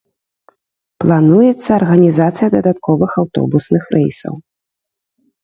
Плануецца арганізацыя дадатковых аўтобусных рэйсаў.